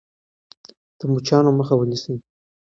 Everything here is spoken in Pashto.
د مچانو مخه ونیسئ.